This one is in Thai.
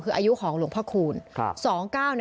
คืออายุของหลวงพ่อคูณ